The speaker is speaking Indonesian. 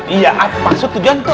iya maksud tujuan tuh